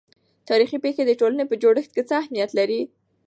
تاريخي پېښې د ټولنې په جوړښت کې څه اهمیت لري؟